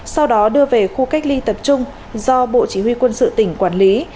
sau đó đưa về khu cách ly tập trung do bộ chỉ huy quân sự tỉnh quản lý